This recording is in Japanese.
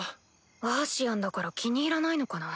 アーシアンだから気に入らないのかな？